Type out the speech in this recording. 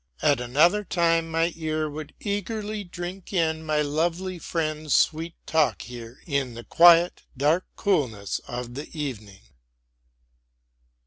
At another time my ear would eagerly drink in my lovely friend's sweet talk here in the quiet, dark coolness of the evening.